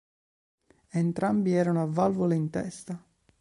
Entrambi erano a valvole in testa.